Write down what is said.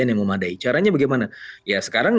yang memadai caranya bagaimana ya sekarang